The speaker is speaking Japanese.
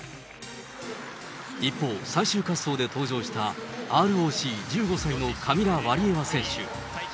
一方、最終滑走で登場した、ＲＯＣ、１５歳のカミラ・ワリエワ選手。